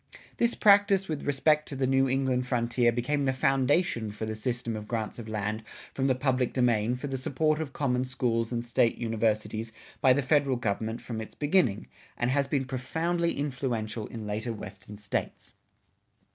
[61:1] This practice with respect to the New England frontier became the foundation for the system of grants of land from the public domain for the support of common schools and state universities by the federal government from its beginning, and has been profoundly influential in later Western States.